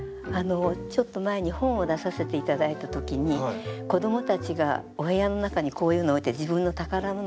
ちょっと前に本を出させて頂いたときに子どもたちがお部屋の中にこういうのを置いて自分の宝物を入れて。